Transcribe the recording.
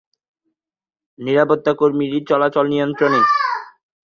কালো বেল্টের জন্য পরীক্ষা সাধারণত নিম্ন গ্রেডের চেয়ে বেশি কঠোর এবং বেশি কেন্দ্রীভূত।